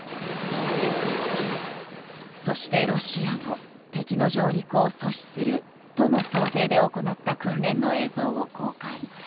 そして、ロシアも敵の上陸を阻止するとの想定で行った訓練の映像を公開。